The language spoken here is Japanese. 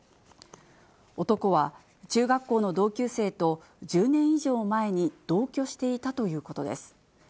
男は、中学校の同級生と１０年以上前に同居していたということです。